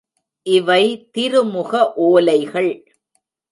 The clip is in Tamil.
இவை திருமுக ஓலைகள்!